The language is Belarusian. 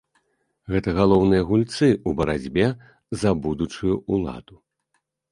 Гэта галоўныя гульцы ў барацьбе за будучую ўладу.